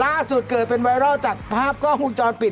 ล่าสุดเกิดเป็นไวรัลจากภาพกล้องวงจรปิด